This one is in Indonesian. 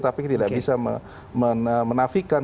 tapi tidak bisa menafikan